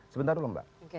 sebentar dulu mbak